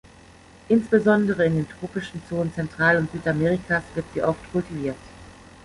Insbesondere in den tropischen Zonen Zentral- und Südamerikas wird sie oft kultiviert.